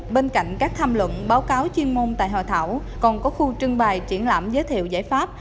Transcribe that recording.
bên cạnh các tham luận báo cáo chuyên môn tại hội thảo còn có khu trưng bày triển lãm giới thiệu giải pháp